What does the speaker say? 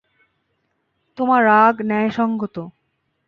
তোমার রাগ ন্যায়সঙ্গত।